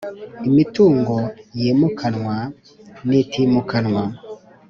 Imitungo yimukanwa n itimukanwa